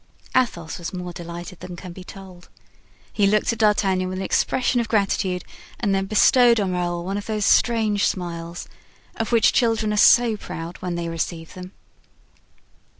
Athos was more delighted than can be told. He looked at D'Artagnan with an expression of gratitude and then bestowed on Raoul one of those strange smiles, of which children are so proud when they receive them.